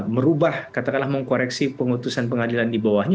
merubah katakanlah mengkoreksi pengutusan pengadilan di bawahnya